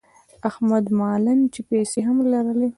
احت مالًا چې پیسې هم لرلې.